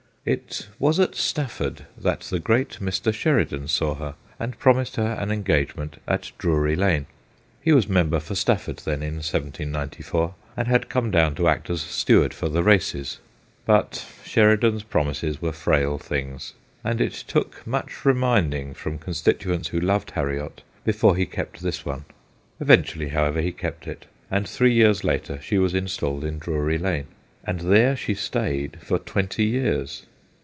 It was at Stafford that the great Mr. Sheridan saw her, and promised her an engagement at Drury Lane. He was mem ber for Stafford then, in 1794, and had come down to act as steward for the races. But Sheridan's promises were frail things, and it took much reminding from con stituents who loved Harriot before he kept this one. Eventually, however, he kept it ; and three years later she was installed in Drury Lane. And there she stayed for twenty years.